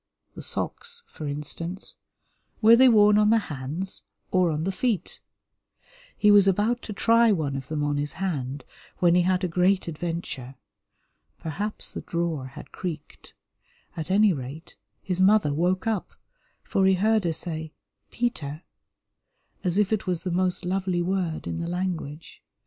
The socks, for instance, were they worn on the hands or on the feet? He was about to try one of them on his hand, when he had a great adventure. Perhaps the drawer had creaked; at any rate, his mother woke up, for he heard her say "Peter," as if it was the most lovely word in the language.